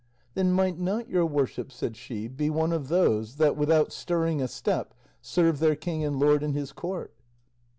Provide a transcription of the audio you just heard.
"Then might not your worship," said she, "be one of those that, without stirring a step, serve their king and lord in his court?"